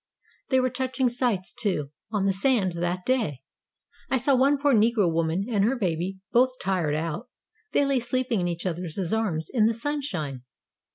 There were touching sights, too, on the sand that day; I saw one poor Negro woman and her baby, both tired out; they lay sleeping in each other's arms in the sun shine.